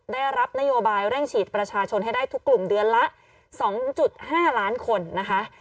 ได้รับนโยบายเร่งฉีดประชาชนให้ได้ทุกกลุ่มเดือนละ๒๕ล้านคนนะคะ